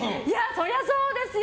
そりゃそうですよ。